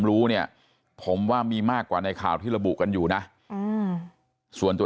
รู้เนี่ยผมว่ามีมากกว่าในข่าวที่ระบุกันอยู่นะส่วนตัว